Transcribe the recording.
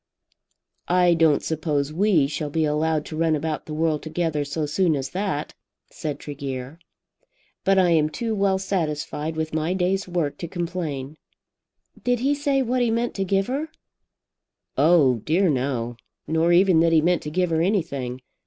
"I don't suppose we shall be allowed to run about the world together so soon as that," said Tregear, "but I am too well satisfied with my day's work to complain." "Did he say what he meant to give her?" "Oh dear no; nor even that he meant to give her anything.